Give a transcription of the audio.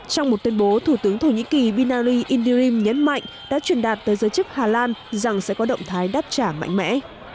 trong một tuyên bố thủ tướng thổ nhĩ kỳ binari indirim nhấn mạnh đã truyền đạt tới giới chức hà lan rằng sẽ có động thái đáp trả mạnh mẽ